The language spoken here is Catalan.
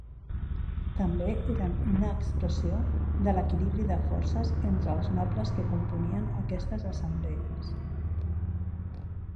També eren una expressió de l'equilibri de forces entre els nobles que componien aquestes assemblees.